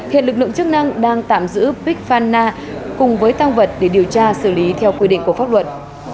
hiện lực lượng chức năng đang tạm giữ bích phan na cùng với tăng vật để điều tra xử lý theo quy định của pháp luật